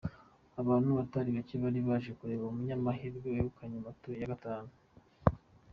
Abantu batari bake bari baje kureba umunyamahirwe wegukanye moto ya gatatu.